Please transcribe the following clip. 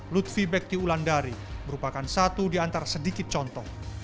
lutfi bekti wulandari merupakan satu di antara sedikit contoh